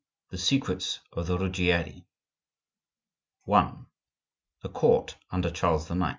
THE SECRETS OF THE RUGGIERI I. THE COURT UNDER CHARLES IX.